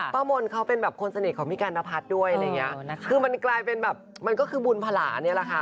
ป้ามนต์เขาเป็นคนสนิทของพี่กัณฑัตด้วยคือมันกลายเป็นแบบมันก็คือบุญภาระนี่แหละค่ะ